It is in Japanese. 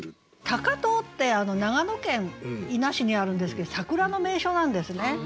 高遠って長野県伊那市にあるんですけど桜の名所なんですね。